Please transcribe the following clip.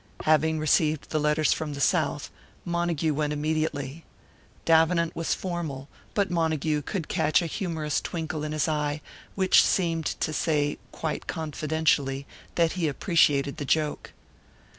Having received the letters from the South, Montague went immediately. Davenant was formal; but Montague could catch a humorous twinkle in his eye, which seemed to say, quite confidentially, that he appreciated the joke.